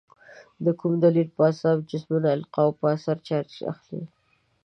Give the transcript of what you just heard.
د کوم دلیل په اساس جسمونه القا په اثر چارج اخلي؟